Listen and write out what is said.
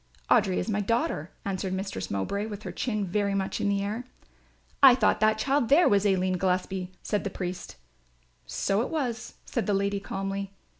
"Audry is my daughter," answered Mistress Mowbray with her chin very much in the air. "I thought that child there was Aline Gillespie," said the priest. "So it was," said the lady, calmly.